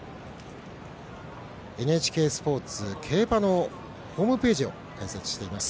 ＮＨＫスポーツ競馬のホームページを開設しています。